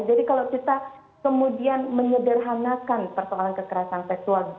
jadi kalau kita kemudian menyederhanakan persoalan kekerasan seksual